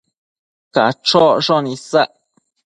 Cachocshon isac